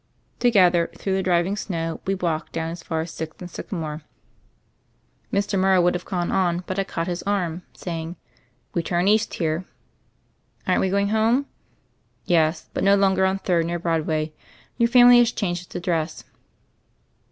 Together, through the driving snow, we walked down as far as Sixth and Sycamore. Mr. Morrow would have gone on, but I caught his arm, saying: "We turn east here." "Aren't we going home?" "Yes: but no longer on Third near Broad way. Your family has changed its address."